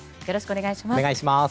よろしくお願いします。